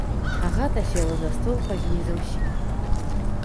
Агата села за стол пазней за ўсіх.